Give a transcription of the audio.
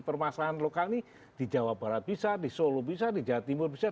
permasalahan lokal ini di jawa barat bisa di solo bisa di jawa timur bisa